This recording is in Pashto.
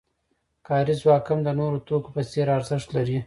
کاري ځواک هم د نورو توکو په څېر ارزښت لري